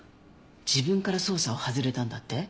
自分から捜査を外れたんだって？